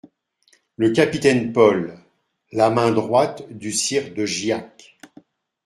=Le Capitaine Paul= (La main droite du Sire de Giac).